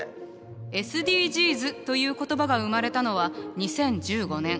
「ＳＤＧｓ」という言葉が生まれたのは２０１５年。